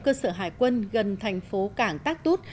cơ sở hải quân gần thành phố cảng tát tút